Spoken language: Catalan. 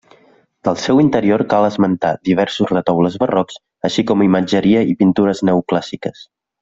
Del seu interior cal esmentar diversos retaules barrocs, així com imatgeria i pintures neoclàssiques.